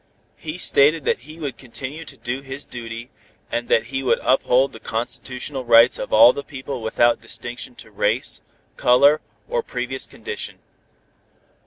He stated that he would continue to do his duty, and that he would uphold the constitutional rights of all the people without distinction to race, color or previous condition.